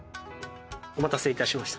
お待たせ致しました。